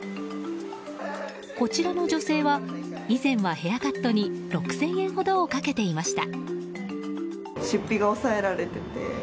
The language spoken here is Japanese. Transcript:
こちらの女性は以前はヘアカットに６０００円ほどをかけていました。